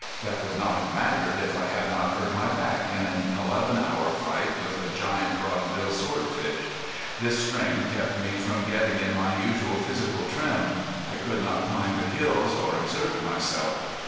That would not have mattered if I had not hurt my back in an eleven hour fight with a giant broadbill swordfish. This strain kept me from getting in my usual physical trim. I could not climb the hills, or exert myself.